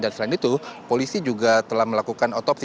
dan selain itu polisi juga telah melakukan otopsi